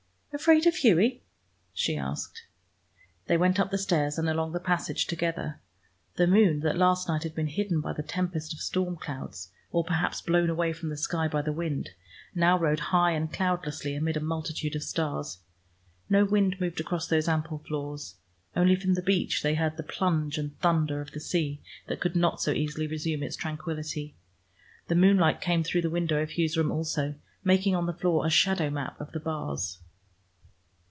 "Afraid of Hughie?" she asked. They went up the stairs, and along the passage together. The moon that last night had been hidden by the tempest of storm clouds, or perhaps blown away from the sky by the wind, now rode high and cloudlessly amid a multitude of stars. No wind moved across those ample floors: only from the beach they heard the plunge and thunder of the sea that could not so easily resume its tranquillity. The moonlight came through the window of Hugh's room also, making on the floor a shadow map of the bars.